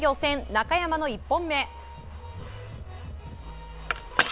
中山の１本目。